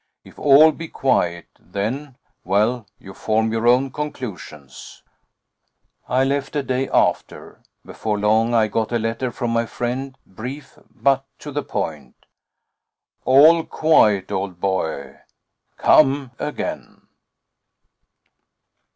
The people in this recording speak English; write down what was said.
If all be quiet, then well, you form your own conclusions." I left a day after. Before long I got a letter from my friend, brief but to the point: "All quiet, old boy; come again."